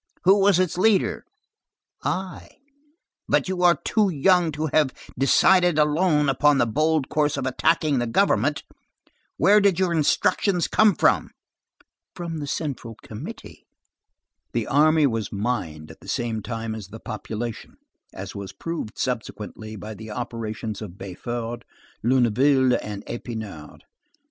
"Who was its leader?" "I." "You are too young to have decided alone upon the bold course of attacking the government. Where did your instructions come from?" "From the central committee." The army was mined at the same time as the population, as was proved subsequently by the operations of Béford, Luneville, and Épinard.